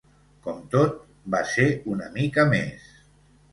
Com tot, va ser una mica més.